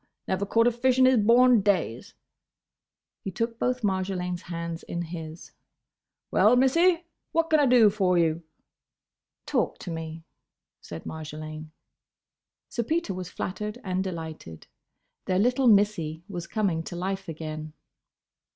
Never caught a fish in his born days!" He took both Marjolaine's hands in his. "Well, Missie; what can I do for you?" "Talk to me," said Marjolaine. Sir Peter was flattered and delighted. Their little Missie was coming to life again.